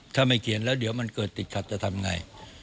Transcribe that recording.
ถ้าไม่เขียนแล้วเดี๋ยวมันเกิดติดขัดจะทำไง